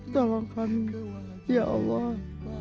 tolong kami ya allah